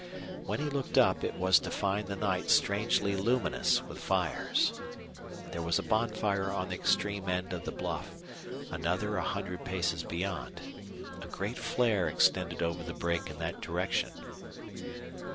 When he looked up it was to find the night strangely luminous with fires. There was a bonfire on the extreme end of the bluff, another a hundred paces beyond. A great flare extended over the brake in that direction.